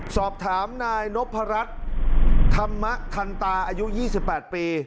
สอบถามนายนพรัชธรรมะทันตาอายุยี่สิบแปดปี